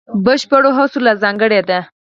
بشپړو هڅو له ځانګړې ده.